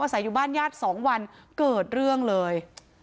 ใส่อยู่บ้านญาติ๒วันเกิดเรื่องเลย